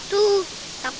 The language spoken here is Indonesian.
ya takut sama api